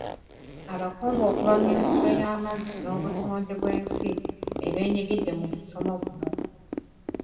Abakungu okuva mu minisitule ey’amazzi n’Obutonde bw’ensi be beenyigidde mu musomo guno.